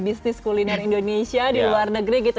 bisnis kuliner indonesia di luar negeri gitu